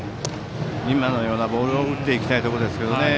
今のようなボールを打っていきたいところですが。